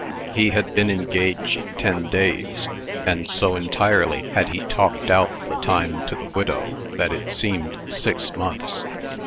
He had been engaged ten days; and so entirely had he talked out the time to the widow, that it seemed six months.